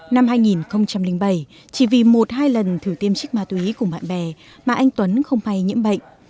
năm hai nghìn bảy chỉ vì một hai lần thử tiêm trích ma túy cùng bạn bè mà anh tuấn không hay nhiễm bệnh